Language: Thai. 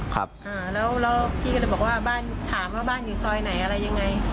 ครับอ่าแล้วแล้วพี่ก็เลยบอกว่าบ้านถามว่าบ้านอยู่ซอยไหนอะไรยังไง